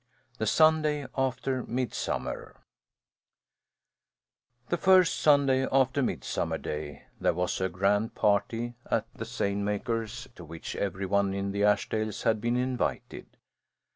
THE SUNDAY AFTER MIDSUMMER The first Sunday after Midsummer Day there was a grand party at the seine maker's to which every one in the Ashdales had been invited.